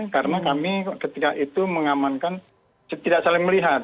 karena kami ketika itu mengamankan tidak saling melihat